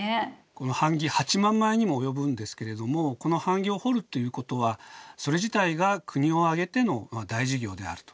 この版木８万枚にも及ぶんですけれどもこの版木を彫るということはそれ自体が国を挙げての大事業であると。